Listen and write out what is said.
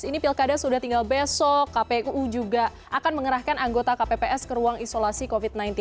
ini pilkada sudah tinggal besok kpu juga akan mengerahkan anggota kpps ke ruang isolasi covid sembilan belas